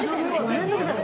面倒くさいの。